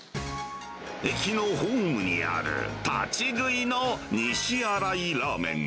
駅のホームにある立ち食いの西新井ラーメン。